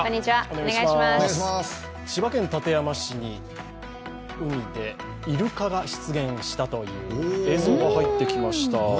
千葉県館山市の海でイルカが出現したという、映像が入ってきました。